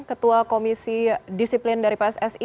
ketua komisi disiplin dari pssi